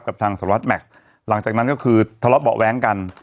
ทางสหรัฐแม็กซ์หลังจากนั้นก็คือทะเลาะเบาะแว้งกัน